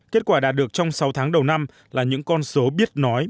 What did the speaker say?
kết quả đạt được trong sáu tháng đầu năm là những con số biết nói